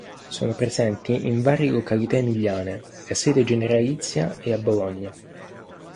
Sono presenti in varie località emiliane; la sede generalizia è a Bologna.